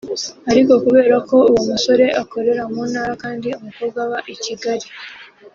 Ariko kubera ko uwo musore akorera mu ntara kandi umukobwa aba i Kigali